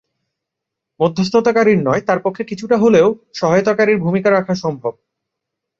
মধ্যস্থতাকারীর নয়, তার পক্ষে কিছুটা হলেও সহায়তাকারীর ভূমিকা রাখা সম্ভব।